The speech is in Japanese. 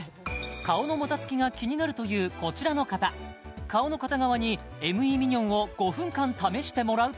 顔のもたつきが気になるというこちらの方顔の片側にＭＥミニョンを５分間試してもらうと